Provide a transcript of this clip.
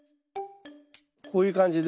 こういう感じで。